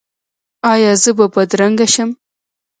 ایا زه به بدرنګه شم؟